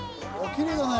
きれいだね。